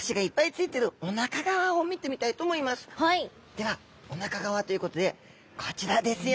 ではおなか側ということでこちらですよ！